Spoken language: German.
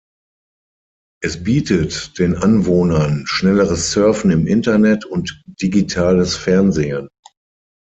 Es bietet den Anwohnern schnelleres Surfen im Internet und digitales Fernsehen.